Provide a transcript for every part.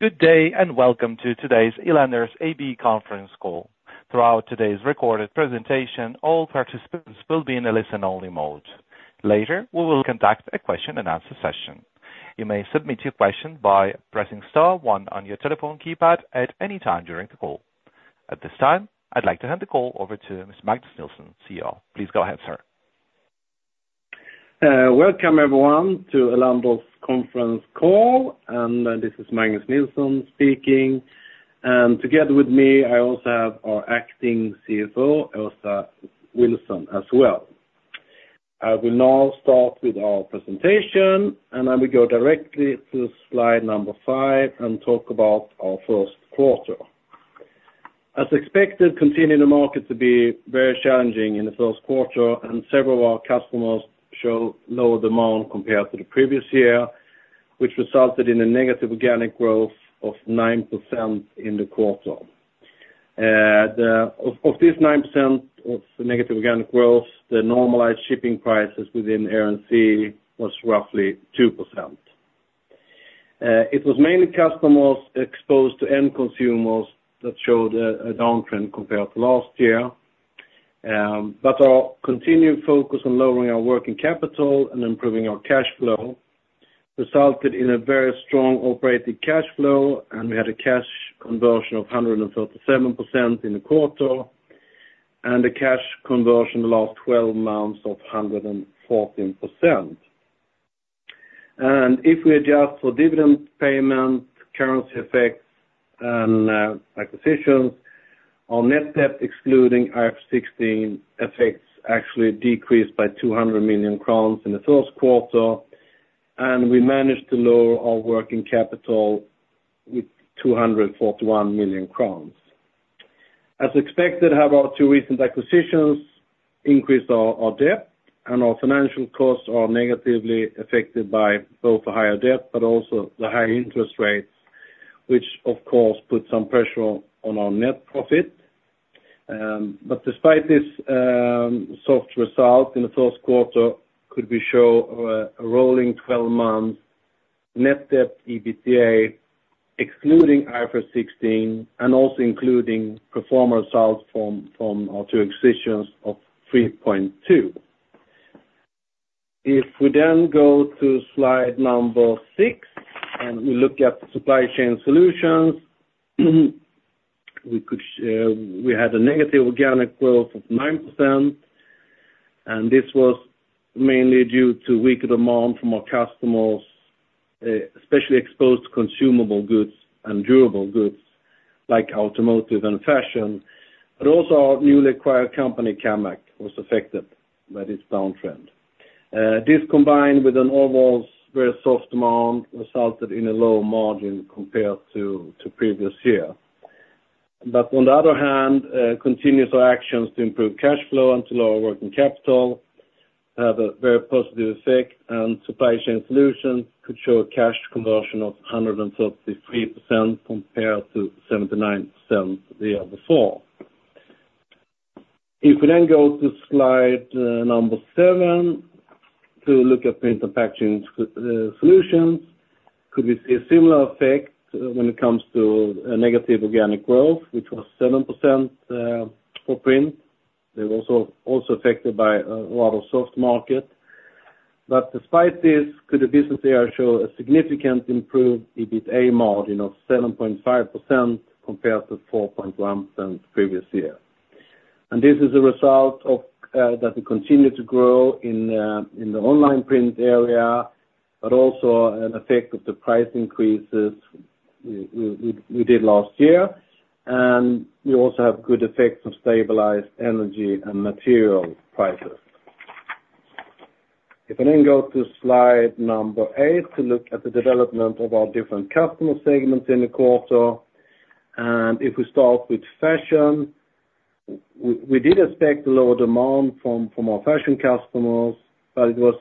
Good day, and welcome to today's Elanders AB conference call. Throughout today's recorded presentation, all participants will be in a listen-only mode. Later, we will conduct a question-and-answer session. You may submit your question by pressing star one on your telephone keypad at any time during the call. At this time, I'd like to hand the call over to Mr. Magnus Nilsson, CEO. Please go ahead, sir. Welcome, everyone, to Elanders conference call, and this is Magnus Nilsson speaking, and together with me, I also have our Acting CFO, Åsa Vilsson, as well. I will now start with our presentation, and I will go directly to slide number 5 and talk about our first quarter. As expected, continuing the market to be very challenging in the first quarter, and several of our customers show lower demand compared to the previous year, which resulted in a negative organic growth of 9% in the quarter. Of this 9% of negative organic growth, the normalized shipping prices within air and sea was roughly 2%. It was mainly customers exposed to end consumers that showed a downtrend compared to last year, but our continued focus on lowering our working capital and improving our cash flow resulted in a very strong operating cash flow, and we had a cash conversion of 137% in the quarter, and a cash conversion the last twelve months of 114%. And if we adjust for dividend payment, currency effects, and acquisitions, our net debt, excluding IFRS 16 effects, actually decreased by 200 million crowns in the first quarter, and we managed to lower our working capital with 241 million crowns. As expected, however, our two recent acquisitions increased our debt, and our financial costs are negatively affected by both the higher debt, but also the high interest rates, which of course, put some pressure on our net profit. But despite this soft result in the first quarter, we could show a rolling twelve-month net debt/EBITDA, excluding IFRS 16, and also including pro forma results from our two acquisitions of 3.2. If we then go to slide number 6, and we look at supply chain solutions, we had a negative organic growth of 9%, and this was mainly due to weaker demand from our customers, especially exposed to consumable goods and durable goods like automotive and fashion, but also our newly acquired company, Kammac, was affected by this downtrend. This, combined with an overall very soft demand, resulted in a lower margin compared to previous year. But on the other hand, continuous actions to improve cash flow and to lower working capital have a very positive effect, and Supply Chain Solutions could show a cash conversion of 133% compared to 79% the year before. If we then go to slide number 7, to look at Print & Packaging Solutions, could we see a similar effect when it comes to a negative organic growth, which was 7%, for Print? They were also affected by a lot of soft market. But despite this, could the business area show a significantly improved EBITDA margin of 7.5% compared to 4.1% the previous year. This is a result of that we continue to grow in the online print area, but also an effect of the price increases we did last year, and we also have good effects of stabilized energy and material prices. If I then go to slide number eight, to look at the development of our different customer segments in the quarter, and if we start with fashion, we did expect lower demand from our fashion customers, but it was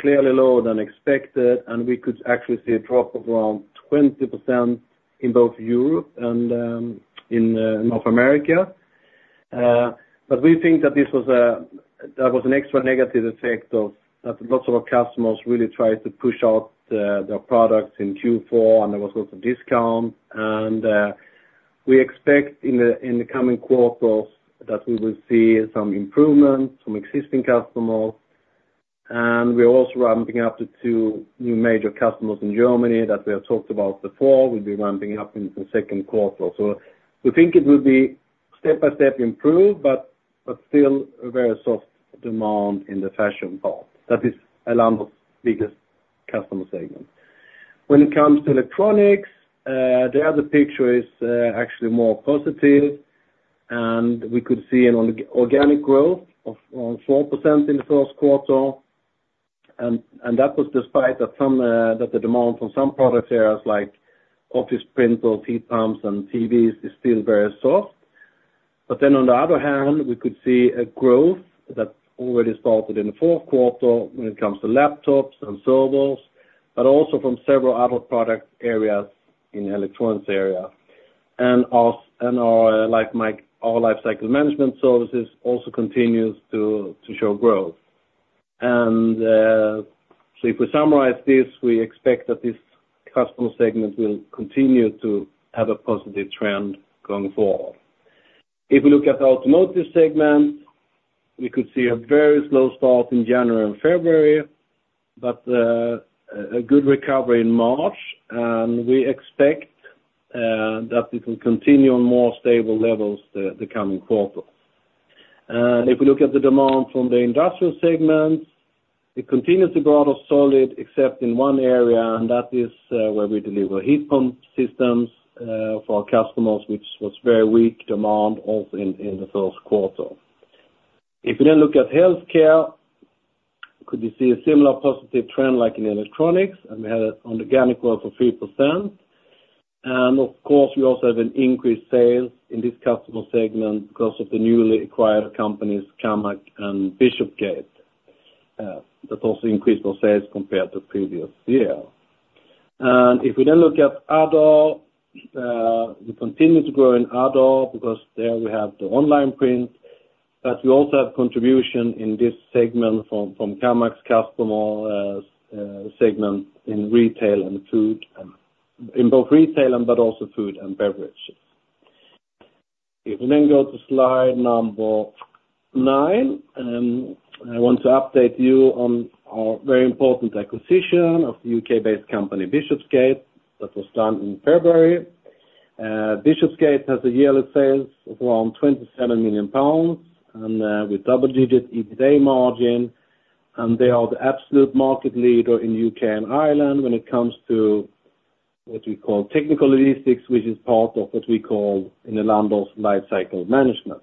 clearly lower than expected, and we could actually see a drop of around 20% in both Europe and in North America. But we think that there was an extra negative effect of that lots of our customers really tried to push out their products in Q4, and there was lots of discounts, and we expect in the coming quarters that we will see some improvement from existing customers, and we're also ramping up to two new major customers in Germany that we have talked about before. We'll be ramping up in the second quarter. So we think it will be step-by-step improve, but still a very soft demand in the fashion part. That is Elanders' biggest customer segment. When it comes to electronics, the other picture is actually more positive, and we could see an organic growth of 4% in the first quarter, and that was despite that some that the demand from some product areas like office printer, heat pumps, and TVs is still very soft. But then on the other hand, we could see a growth that already started in the fourth quarter when it comes to laptops and servers, but also from several other product areas in electronics area. And our lifecycle management services also continues to show growth. And so if we summarize this, we expect that this customer segment will continue to have a positive trend going forward. If we look at the automotive segment, we could see a very slow start in January and February, but a good recovery in March, and we expect that it will continue on more stable levels the coming quarter. If we look at the demand from the industrial segment, it continues to grow out of solid, except in one area, and that is where we deliver heat pump systems for our customers, which was very weak demand also in the first quarter. If we then look at healthcare, could we see a similar positive trend like in electronics, and we had it on organic growth of 3%. Of course, we also have an increased sales in this customer segment because of the newly acquired companies, Kammac and Bishopsgate, that also increased our sales compared to previous year. And if we then look at other, we continue to grow in other, because there we have the online print, but we also have contribution in this segment from Kammac's customer segment in retail and food, and in both retail and but also food and beverages. If we then go to slide number 9, and I want to update you on our very important acquisition of U.K.-based company, Bishopsgate, that was done in February. Bishopsgate has yearly sales of around 27 million pounds, and with double digits EBITDA margin, and they are the absolute market leader in U.K. and Ireland when it comes to what we call technical logistics, which is part of what we call in the Elanders life cycle management.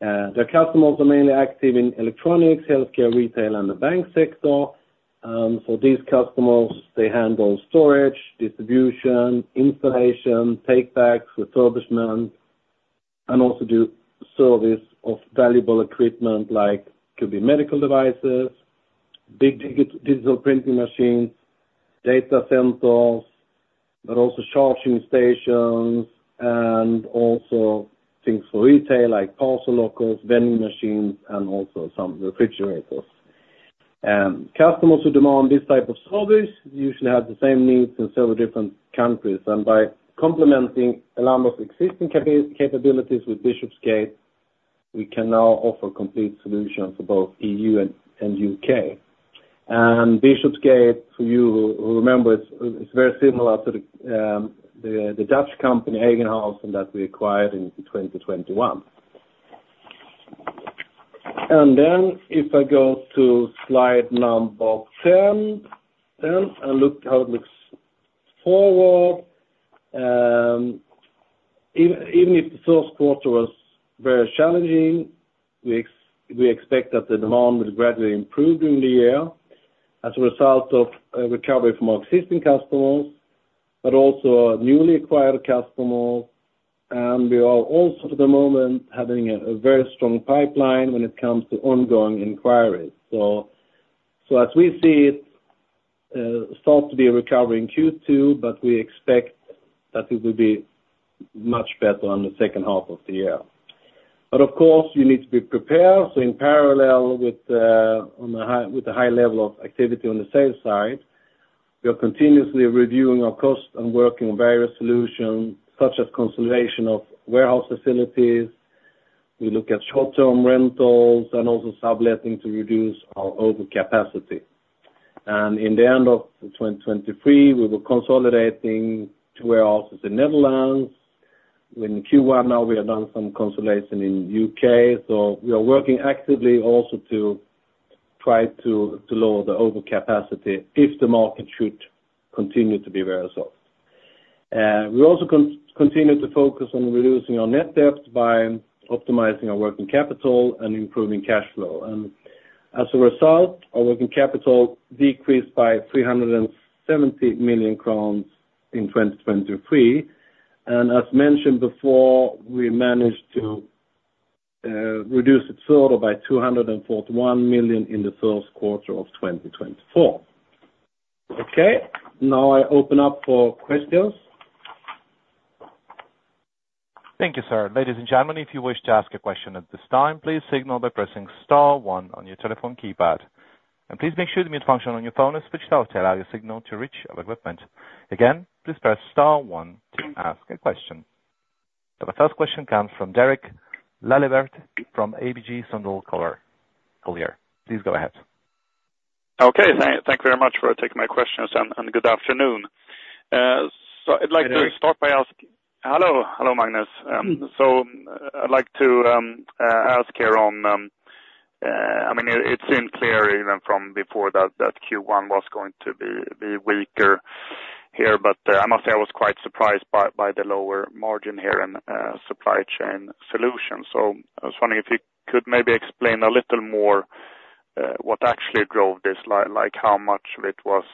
Their customers are mainly active in electronics, healthcare, retail, and the bank sector. For these customers, they handle storage, distribution, installation, takebacks, refurbishment, and also do service of valuable equipment like could be medical devices, big digital printing machines, data centers, but also charging stations, and also things for retail, like parcel lockers, vending machines, and also some refrigerators. Customers who demand this type of service usually have the same needs in several different countries, and by complementing a lot of existing capabilities with Bishopsgate, we can now offer complete solutions for both EU and U.K. Bishopsgate, for you who remember, it's very similar to the Dutch company, Eijgenhuijsen, and that we acquired in 2021. And then if I go to slide number 10, 10, and look how it looks forward, even if the first quarter was very challenging, we expect that the demand will gradually improve during the year as a result of recovery from our existing customers, but also our newly acquired customers, and we are also, at the moment, having a very strong pipeline when it comes to ongoing inquiries. So as we see it, start to be a recovery in Q2, but we expect that it will be much better on the second half of the year. But of course, you need to be prepared, so in parallel with the, on the high, with the high level of activity on the sales side, we are continuously reviewing our cost and working on various solutions, such as consolidation of warehouse facilities. We look at short-term rentals and also subletting to reduce our overcapacity. In the end of 2023, we were consolidating two warehouses in Netherlands. In Q1, now we have done some consolidation in U.K., so we are working actively also to try to lower the overcapacity if the market should continue to be very soft. We also continue to focus on reducing our net debt by optimizing our working capital and improving cash flow. As a result, our working capital decreased by 370 million crowns in 2023, and as mentioned before, we managed to reduce it further by 241 million in the first quarter of 2024. Okay, now I open up for questions. Thank you, sir. Ladies and gentlemen, if you wish to ask a question at this time, please signal by pressing star one on your telephone keypad. And please make sure the mute function on your phone is switched off to allow your signal to reach our equipment. Again, please press star one to ask a question. So the first question comes from Derek Laliberté from ABG Sundal Collier. Please go ahead. Okay, thank you very much for taking my questions, and good afternoon. So I'd like to- Good day. Hello. Hello, Magnus. So I'd like to ask here on, I mean, it seemed clear even from before that Q1 was going to be weaker here, but I must say I was quite surprised by the lower margin here in supply chain solutions. So I was wondering if you could maybe explain a little more what actually drove this, like how much of it was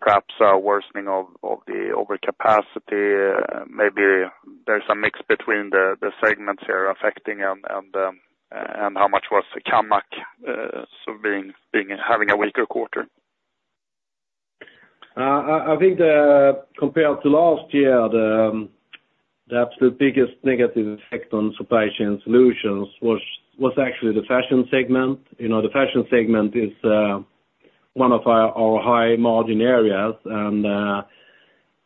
perhaps a worsening of the overcapacity? Maybe there's a mix between the segments here affecting and how much was the Kammac so being having a weaker quarter? I think compared to last year, perhaps the biggest negative effect on Supply Chain Solutions was actually the fashion segment. You know, the fashion segment is one of our high-margin areas,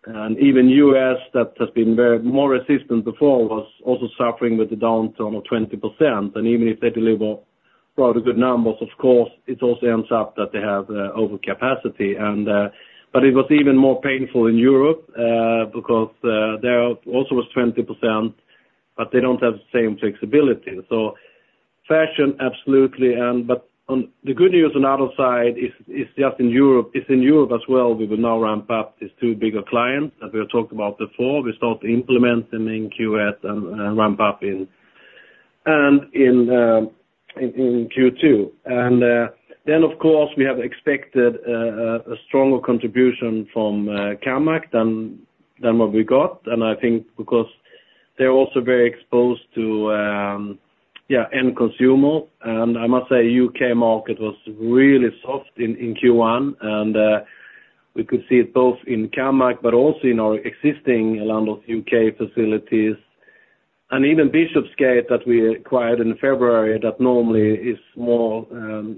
and even U.S., that has been very more resistant before, was also suffering with the downturn of 20%. And even if they deliver rather good numbers, of course, it also ends up that they have overcapacity. But it was even more painful in Europe, because there also was 20%, but they don't have the same flexibility. So fashion, absolutely, but the good news on the other side is that in Europe, it's in Europe as well, we will now ramp up these two bigger clients that we have talked about before. We start implementing in Q1 and ramp up in Q2. Then, of course, we have expected a stronger contribution from Kammac than what we got, and I think because they're also very exposed to end consumer. I must say, U.K. market was really soft in Q1, and we could see it both in Kammac, but also in our existing Elanders U.K. facilities. And even Bishopsgate, that we acquired in February, that normally is more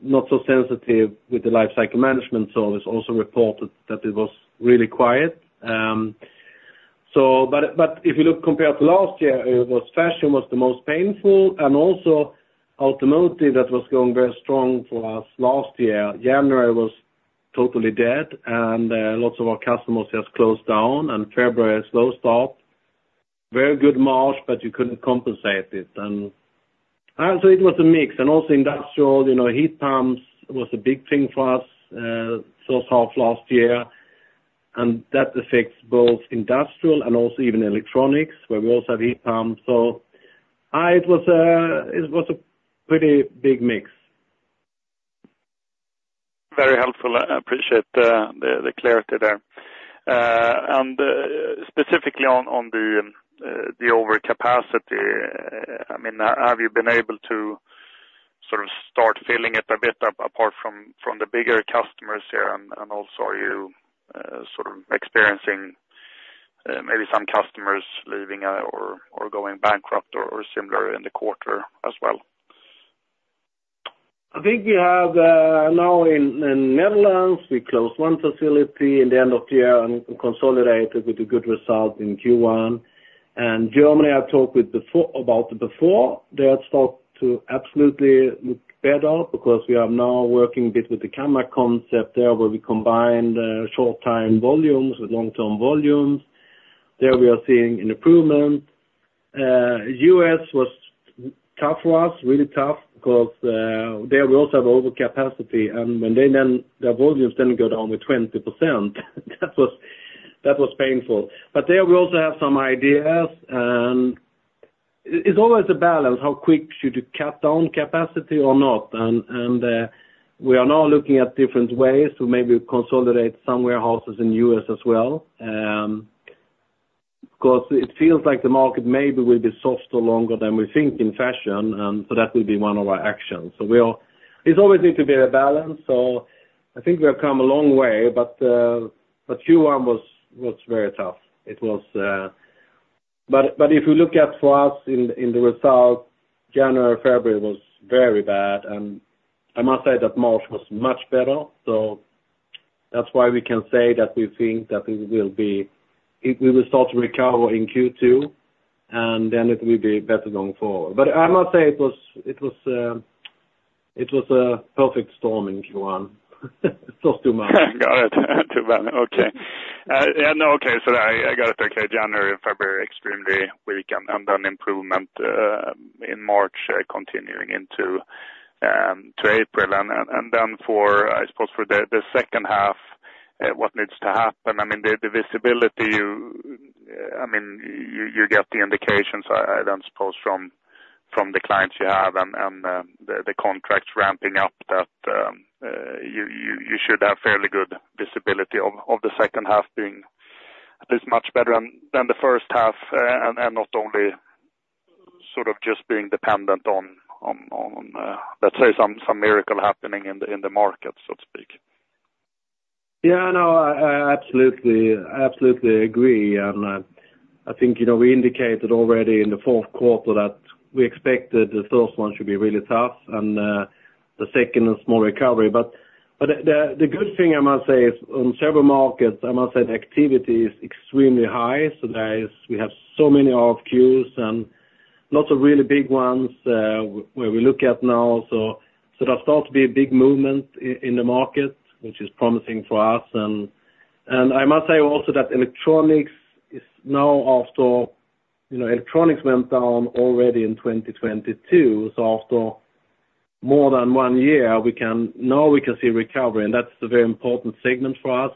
not so sensitive with the life cycle management service, also reported that it was really quiet. But if you look compared to last year, it was fashion was the most painful, and also automotive, that was going very strong for us last year. January was totally dead, and lots of our customers just closed down, and February, slow start. Very good March, but you couldn't compensate it, and so it was a mix. And also industrial, you know, heat pumps was a big thing for us, so soft last year, and that affects both industrial and also even electronics, where we also have heat pumps. So it was a, it was a pretty big mix. Very helpful. I appreciate the clarity there. And specifically on the overcapacity, I mean, have you been able to sort of start feeling it a bit, apart from the bigger customers here, and also, are you sort of experiencing maybe some customers leaving out or going bankrupt or similar in the quarter as well? I think we have now in the Netherlands we closed one facility in the end of the year and consolidated with a good result in Q1. And Germany, I talked about before, they had started to absolutely look better because we are now working a bit with the Kammac concept there, where we combined short-time volumes with long-term volumes. There, we are seeing an improvement. U.S. was tough for us, really tough, because there we also have overcapacity, and when their volumes go down with 20%, that was painful. But there, we also have some ideas, and it's always a balance, how quick should you cut down capacity or not? And we are now looking at different ways to maybe consolidate some warehouses in U.S. as well. Because it feels like the market maybe will be softer longer than we think in fashion, and so that will be one of our actions. It always need to be a balance, so I think we have come a long way, but Q1 was very tough. It was. But if you look at for us in the results, January, February was very bad, and I must say that March was much better. So that's why we can say that we think that we will be, it will start to recover in Q2, and then it will be better going forward. But I must say it was a perfect storm in Q1. It talked too much. Got it. Too well. Okay. Yeah, no, okay, so I got it that January, February, extremely weak and then improvement in March continuing into April. And then for, I suppose for the second half, what needs to happen, I mean, the visibility, you, I mean, you get the indications, I then suppose from the clients you have and the contracts ramping up that you should have fairly good visibility of the second half being this much better than the first half, and not only sort of just being dependent on, let's say, some miracle happening in the market, so to speak. Yeah, I know. I absolutely agree, and I think, you know, we indicated already in the fourth quarter that we expected the first one should be really tough, and the second, a small recovery. But the good thing I must say is on several markets, I must say the activity is extremely high. So we have so many RFQs and lots of really big ones where we look at now. So there's thought to be a big movement in the market, which is promising for us. And I must say also that electronics is now after, you know, electronics went down already in 2022. So after more than one year, we can now see recovery, and that's a very important segment for us.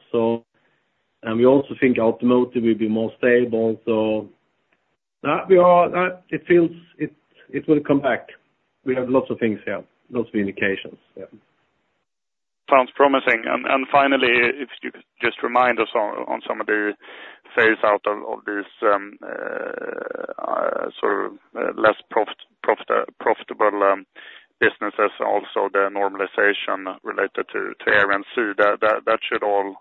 We also think automotive will be more stable, so that it feels it will come back. We have lots of things here, lots of indications. Yeah. Sounds promising. And finally, if you could just remind us on some of the phase-out of this sort of less profitable businesses, also the normalization related to Air and Sea, that should all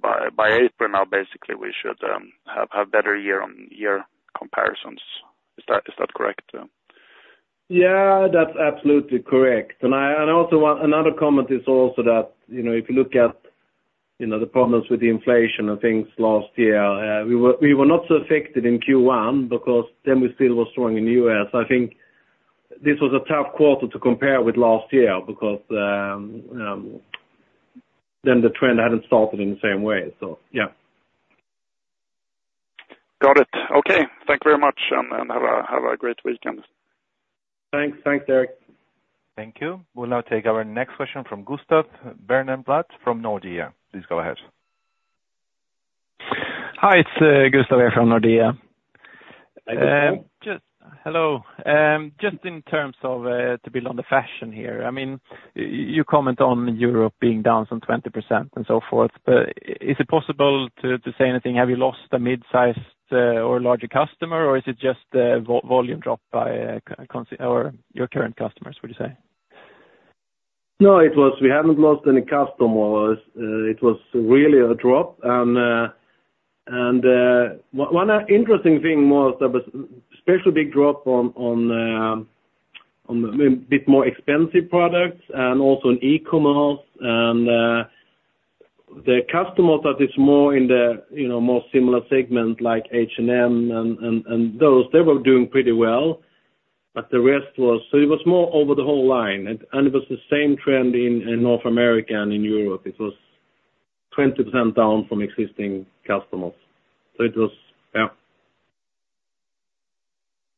by April now, basically, we should have better year-on-year comparisons. Is that correct? Yeah, that's absolutely correct. And also, another comment is also that, you know, if you look at, you know, the problems with the inflation and things last year, we were not so affected in Q1 because then we still were strong in the U.S. I think this was a tough quarter to compare with last year because then the trend hadn't started in the same way. So yeah. Got it. Okay. Thank you very much, and, and have a, have a great weekend. Thanks. Thanks, Eric. Thank you. We'll now take our next question from Gustav Bernblad from Nordea. Please go ahead. Hi, it's Gustav from Nordea. Hi, Gustav. Hello. Just in terms of to build on the fashion here, I mean, you comment on Europe being down some 20% and so forth, but is it possible to say anything? Have you lost a mid-sized or larger customer, or is it just a volume drop by your current customers, would you say? No, it was. We haven't lost any customers. It was really a drop, and one interesting thing was that was especially big drop on a bit more expensive products and also on e-commerce. The customers that is more in the, you know, more similar segment like H&M and those, they were doing pretty well, but the rest was... So it was more over the whole line, and it was the same trend in North America and in Europe. It was 20% down from existing customers. So it was, yeah.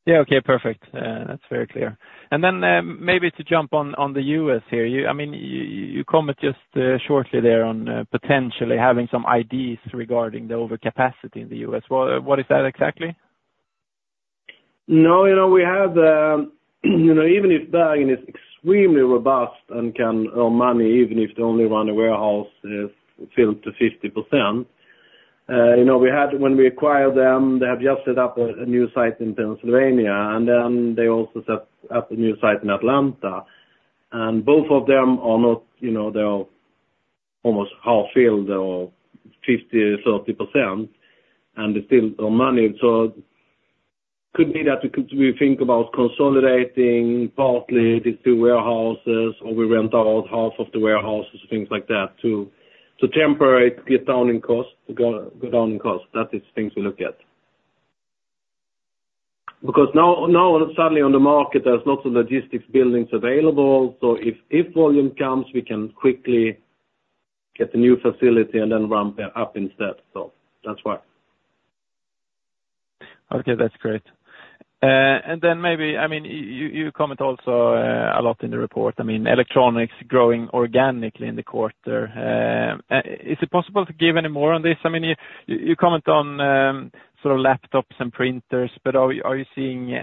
Yeah, okay, perfect. That's very clear. And then, maybe to jump on the U.S. here. You, I mean, you comment just shortly there on potentially having some ideas regarding the overcapacity in the U.S. What is that exactly? No, you know, we have, you know, even if Bergen is extremely robust and can earn money, even if they only run a warehouse filled to 50%, you know, we had when we acquired them, they have just set up a new site in Pennsylvania, and then they also set up a new site in Atlanta. And both of them are not, you know, they are almost half filled, or 50, 30%, and they still earn money. So could be that we think about consolidating partly these two warehouses, or we rent out half of the warehouses, things like that, to temporarily get down in cost, to go down in cost. That is things we look at. Because now suddenly on the market, there's lots of logistics buildings available, so if volume comes, we can quickly get a new facility and then ramp it up instead. So that's why. Okay, that's great. And then maybe, I mean, you comment also a lot in the report, I mean, electronics growing organically in the quarter. Is it possible to give any more on this? I mean, you comment on sort of laptops and printers, but are you seeing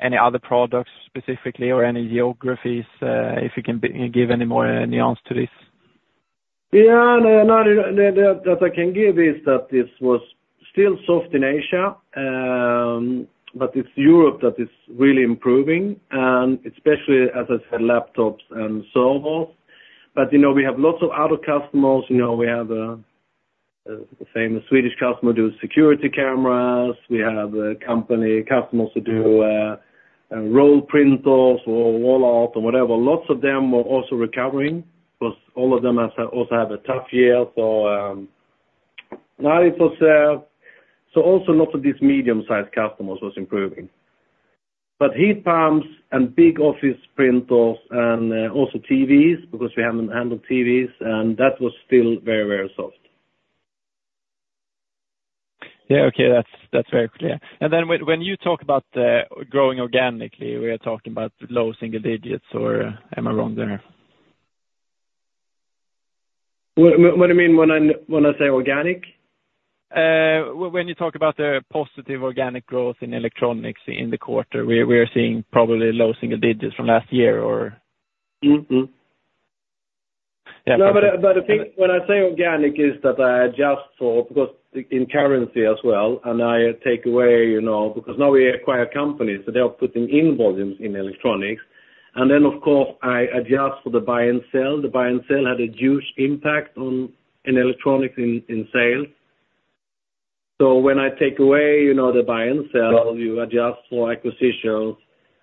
any other products specifically or any geographies, if you can give any more nuance to this? Yeah, no, no, that, that I can give is that this was still soft in Asia, but it's Europe that is really improving, and especially, as I said, laptops and servers. But, you know, we have lots of other customers, you know, we have the same Swedish customer do security cameras. We have company-customers who do roll printers or wall art or whatever. Lots of them are also recovering, because all of them have also had a tough year. So also lots of these medium-sized customers was improving. But heat pumps and big office printers and also TVs, because we haven't handled TVs, and that was still very, very soft. Yeah, okay. That's, that's very clear. And then when, when you talk about growing organically, we are talking about low single digits, or am I wrong there? What do you mean when I say organic? When you talk about the positive organic growth in electronics in the quarter, we are seeing probably low single digits from last year or- Mm-hmm. Yeah- No, but the thing, when I say organic is that I adjust for, because in currency as well, and I take away, you know, because now we acquire companies, so they are putting in volumes in electronics. And then, of course, I adjust for the buy and sell. The buy and sell had a huge impact on electronics in sales. So when I take away, you know, the buy and sell, you adjust for acquisitions,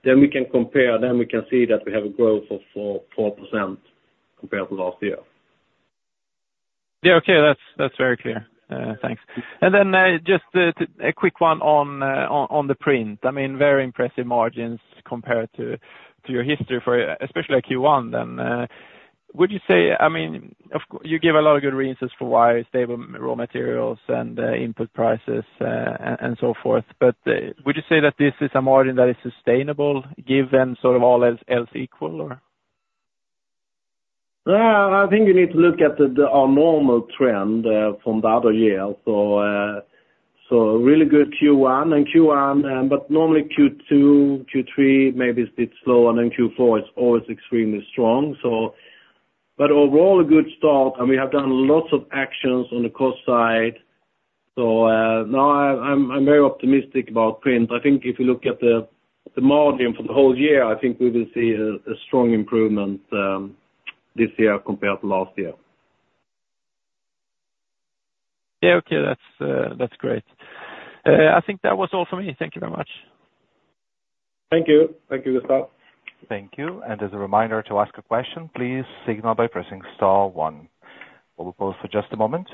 then we can compare, then we can see that we have a growth of 4, 4% compared to last year. Yeah, okay. That's, that's very clear. Thanks. And then, just, to... A quick one on, on the print. I mean, very impressive margins compared to, to your history for especially Q1, then, would you say... I mean, of course you give a lot of good reasons for why stable raw materials and, input prices, and so forth, but, would you say that this is a margin that is sustainable, given sort of all else equal, or? I think you need to look at our normal trend from the other year. So, so really good Q1, but normally Q2, Q3, maybe a bit slower, and then Q4 is always extremely strong. So, but overall, a good start, and we have done lots of actions on the cost side. So, now I'm very optimistic about print. I think if you look at the margin for the whole year, I think we will see a strong improvement this year compared to last year. Yeah, okay. That's, that's great. I think that was all for me. Thank you very much. Thank you. Thank you, Gustav. Thank you. As a reminder to ask a question, please signal by pressing star one. We'll pause for just a moment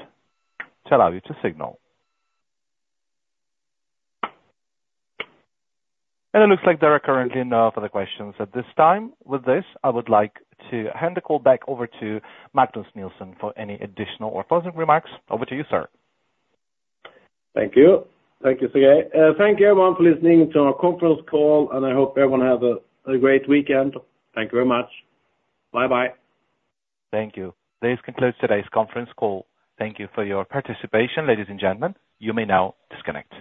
to allow you to signal. It looks like there are currently no further questions at this time. With this, I would like to hand the call back over to Magnus Nilsson for any additional or closing remarks. Over to you, sir. Thank you. Thank you, Sergei. Thank you everyone for listening to our conference call, and I hope everyone have a great weekend. Thank you very much. Bye-bye. Thank you. This concludes today's conference call. Thank you for your participation, ladies and gentlemen. You may now disconnect.